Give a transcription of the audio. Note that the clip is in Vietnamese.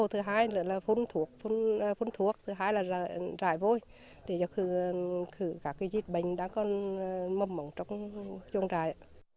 để rửa sạch ao hồ phun thuốc rải vôi để khử các dịch bệnh đang mâm mỏng trong chuồng trại